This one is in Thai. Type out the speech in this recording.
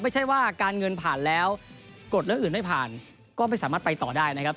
ไม่ใช่ว่าการเงินผ่านแล้วกฎเรื่องอื่นไม่ผ่านก็ไม่สามารถไปต่อได้นะครับ